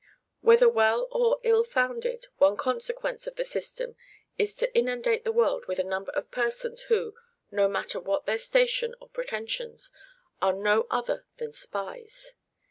Whether well or ill founded, one consequence of the system is to inundate the world with a number of persons who, no matter what their station or pretensions, are no other than spies.